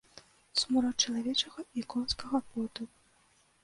Смурод чалавечага і конскага поту.